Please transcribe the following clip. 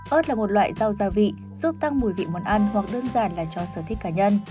ớt là một loại rau gia vị giúp tăng mùi vị món ăn hoặc đơn giản là cho sở thích cá nhân